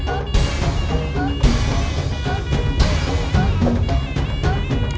atau tiga orang di belakang